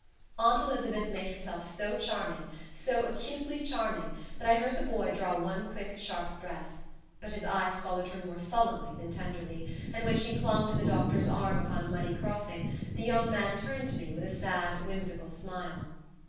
Aunt Elizabeth made herself so charming, so acutely charming, that I heard the boy draw one quick, sharp breath. But his eyes followed her more sullenly than tenderly, and when she clung to the doctor's arm upon a muddy crossing the young man turned to me with a sad, whimsical smile.